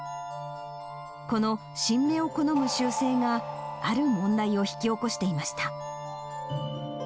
この新芽を好む習性が、ある問題を引き起こしていました。